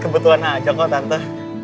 kebutuhan aja kok tante